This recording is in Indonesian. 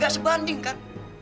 gak sebanding kan